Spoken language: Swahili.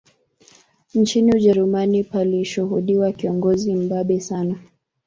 Nchini Ujerumani palishuhudiwa kiongozi mbabe sana